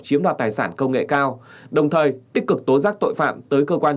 chiếm đạt tài sản công nghệ cao đồng thời tích cực tố giác tội phạm tới cơ quan chức năng